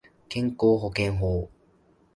健康保険法